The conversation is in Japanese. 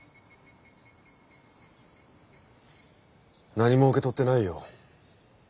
何も受け取ってないよ。